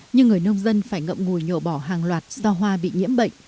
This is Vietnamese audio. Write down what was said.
nhưng người nông dân phải ngậm ngùi nhổ bỏ hàng loạt do hoa bị nhiễm bệnh